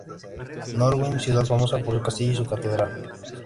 Norwich: Ciudad famosa por su castillo y su catedral.